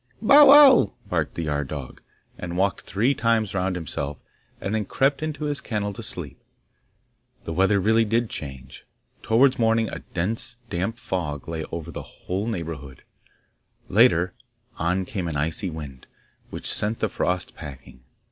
'Bow wow!' barked the yard dog, and walked three times round himself, and then crept into his kennel to sleep. The weather really did change. Towards morning a dense damp fog lay over the whole neighbourhood; later on came an icy wind, which sent the frost packing.